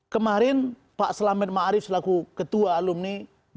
kemarin pak selamet ma'arif selaku ketua alumni